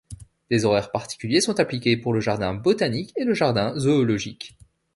Des horaires particuliers sont appliqués pour le jardin botanique et le jardin zoologique.